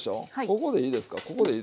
ここでいいですか。